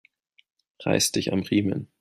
Reiß dich am Riemen!